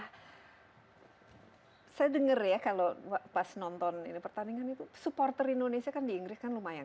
hai saya denger ya kalau pas nonton ini pertandingan itu supporter indonesia kan di inggris kan lumayan